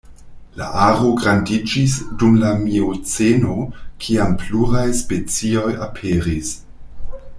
La aro grandiĝis dum la mioceno kiam pluraj specioj aperis.